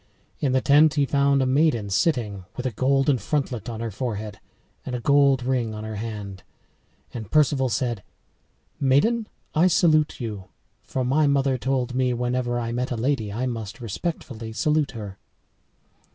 In the tent he found a maiden sitting, with a golden frontlet on her forehead and a gold ring on her hand. And Perceval said, "Maiden, I salute you, for my mother told me whenever I met a lady I must respectfully salute her."